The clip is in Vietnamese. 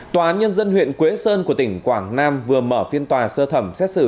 tòa án nhân dân huyện quế sơn của tỉnh quảng nam vừa mở phiên tòa sơ thẩm xét xử